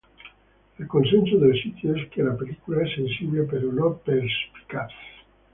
El consenso del sitio es que la película es "sensible pero no perspicaz".